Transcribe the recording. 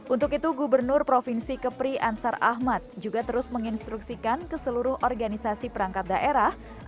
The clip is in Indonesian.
untuk itu gubernur provinsi kepri ansar ahmad juga terus menginstruksikan ke seluruh organisasi perangkat daerah